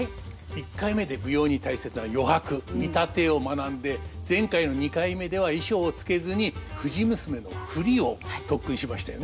１回目で舞踊に大切な余白「見立て」を学んで前回の２回目では衣装を着けずに「藤娘」の振りを特訓しましたよね。